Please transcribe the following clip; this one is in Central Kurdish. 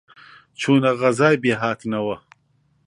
چوونە غەزای بێهاتنەوە،